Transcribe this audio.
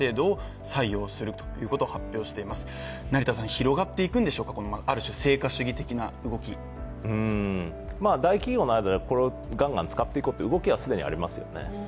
広がっていくんでしょうかある種成果主義的な動き大企業などでは、ガンガン使っていこうという動きは既にありますよね。